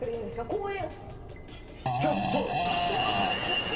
公園。